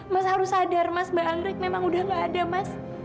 mas harus sadar mas banggrek memang sudah nggak ada mas